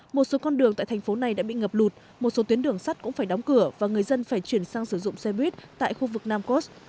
một số con đường tại thành phố này đã bị ngập lụt một số tuyến đường sắt cũng phải đóng cửa và người dân phải chuyển sang sử dụng xe buýt tại khu vực nam cos